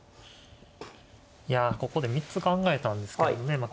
いやここで３つ考えたんですけどね。